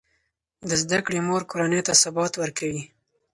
د زده کړې مور کورنۍ ته ثبات ورکوي.